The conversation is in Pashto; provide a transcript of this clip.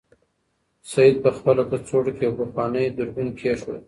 سعید په خپله کڅوړه کې یو پخوانی دوربین کېښود.